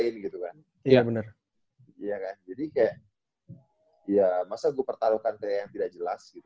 iya bener jadi kayak ya masa gue pertaruhkan ke yang tidak jelas gitu